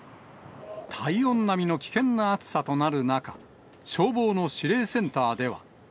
体温並みの危険な暑さとなる中、消防の司令センターでは。